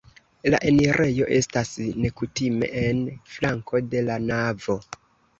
La enirejo estas nekutime en flanko de la navo.